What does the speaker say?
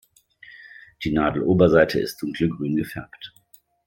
Die Nadeloberseite ist dunkelgrün gefärbt.